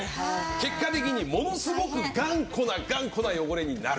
結果的にものすごく頑固な頑固な汚れになると。